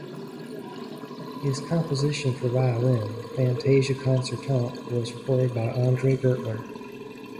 His composition for violin, "Fantasia concertante" was recorded by Andre Gertler.